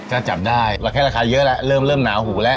ก็จับได้ว่าแค่ราคาเยอะแล้วเริ่มหนาหูแล้ว